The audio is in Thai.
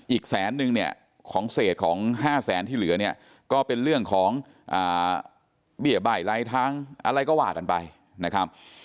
อีกแสนนึงเนี่ยของเศษของ๕แสนที่เหลือเนี่ยก็เป็นเรื่องของเบี้ยใบไร้ทางอะไรก็ว่ากันไปนะครับ